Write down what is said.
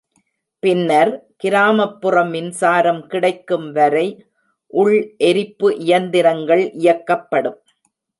பின்னர், கிராமப்புற மின்சாரம் கிடைக்கும் வரை உள் எரிப்பு இயந்திரங்கள் இயக்கப்படும்